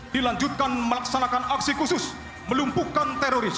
dilanjutkan melaksanakan aksi khusus melumpuhkan teroris